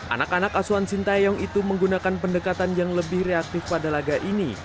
anak anak asuhan sintayong itu menggunakan pendekatan yang lebih reaktif pada laga ini